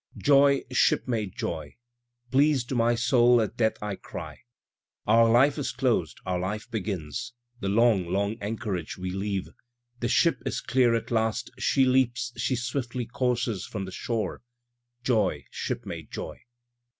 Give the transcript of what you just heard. Joy, shipmate, joy! (Pleas'd to my soul at death I cry). Our life is closed, our life begins. The long, long anchorage we leave. The ship is dear at last, she leaps! She swiftly courses from the shore, Joy, shipmate, joy!